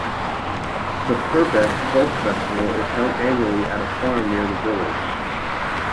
The Purbeck Folk Festival is held annually at a farm near the village.